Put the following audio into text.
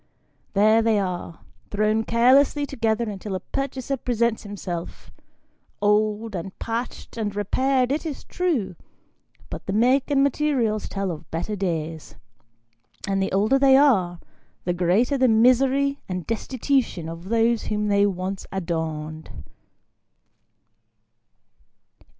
There they are, thrown carelessly together until a purchaser presents himself, old, and patched and repaired, it is true ; but the make and materials tell of better days ; and the older they are, the greater the misery and destitution of those whom they once adorned.